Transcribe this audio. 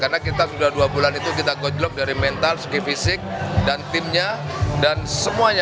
karena kita sudah dua bulan itu kita gojlok dari mental segi fisik dan timnya